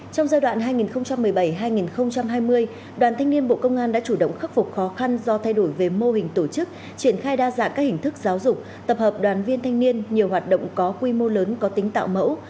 trong giai đoạn hai nghìn một mươi bảy hai nghìn hai mươi đoàn thanh niên bộ công an đã chủ động khắc phục khó khăn do thay đổi về mô hình tổ chức triển khai đa dạng các hình thức giáo dục tập hợp đoàn viên thanh niên nhiều hoạt động có quy mô lớn có tính tạo mẫu